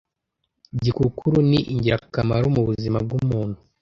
Gikukuru ni ingirakamaro mu buzima bw’umuntu